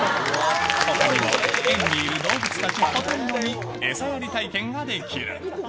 ほかにも、園にいる動物たちほとんどに餌やり体験ができる。